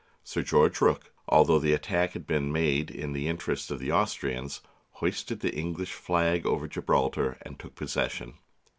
Sir George Rooke, although the attack had been made in the interest of the Austrians, hoisted the English flag over Gibraltar and took possession.